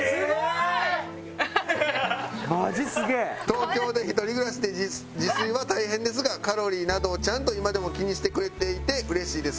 「東京で一人暮らしで自炊は大変ですがカロリーなどをちゃんと今でも気にしてくれていて嬉しいです」